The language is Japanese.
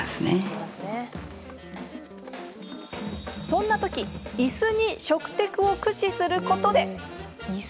そんなときイスに食テクを駆使することで。